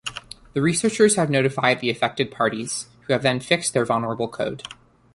The researchers have notified the affected parties, who have then fixed their vulnerable code.